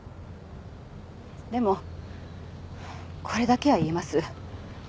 でもこれだけは言えます。